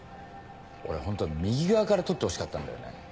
俺ホントは右側から撮ってほしかったんだよね。